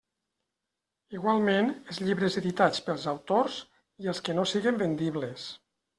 Igualment, els llibres editats pels autors i els que no siguen vendibles.